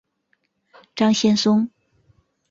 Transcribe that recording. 张先松。